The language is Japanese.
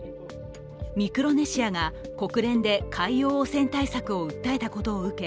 ミクロネシア連邦が国連で海洋汚染対策を訴えたことを受け